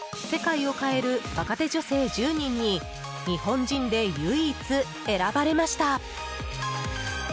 世界を変える若手女性１０人に日本人で唯一選ばれました。